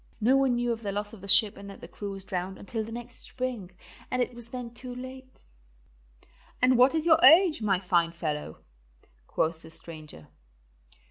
No one knew of the loss of the ship and that the crew was drowned until the next spring, and it was then too late." "And what is your age, my fine fellow?" quoth the stranger.